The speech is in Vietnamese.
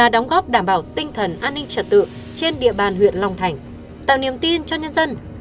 đóng góp đảm bảo tinh thần an ninh trật tự trên địa bàn huyện long thành tạo niềm tin cho nhân dân